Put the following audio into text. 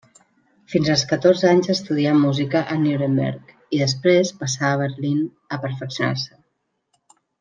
Fins als catorze anys estudià música a Nuremberg, i després passà a Berlín a perfeccionar-se.